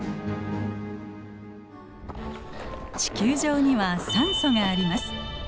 地球上には酸素があります。